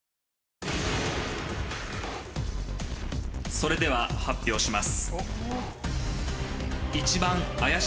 それでは発表します。